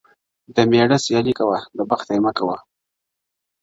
o د مېړه سيالي کوه، د بخته ئې مه کوه٫